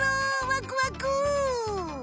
わくわく。